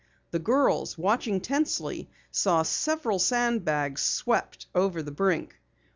The girls, watching tensely, saw several sandbags swept over the brink.